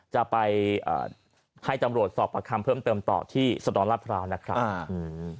จะไปให้จำรวจสอบประคัมเพิ่มเติมต่อที่สนองรับราวนะครับ